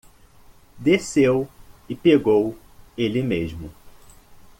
Desceu e pegou ele mesmo.